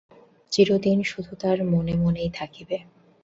চিরদিন শুধু তার মনে মনেই থাকিবে।